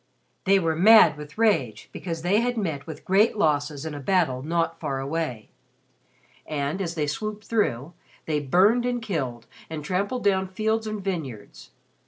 They were mad with rage because they had met with great losses in a battle not far away, and, as they swooped through, they burned and killed, and trampled down fields and vineyards.